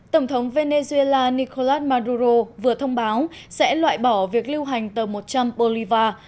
tổng thống venezuela nicolás maduro vừa thông báo sẽ loại bỏ việc lưu hành tờ một trăm linh bolivar